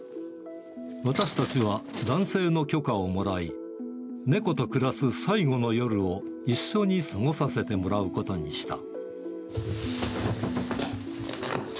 私たちは、男性の許可をもらい、猫と暮らす最後の夜を、一緒に過ごさせてもらうことにした。